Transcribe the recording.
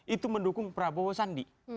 itu mendukung prabowo sandi